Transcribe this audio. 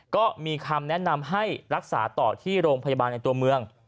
ก็มีคำแนะนำให้รักษาต่อที่โรงพยาบาลในตัวเมือง